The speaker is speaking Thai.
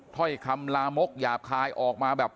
ถ้อยคำลามกหยาบคายออกมาแบบ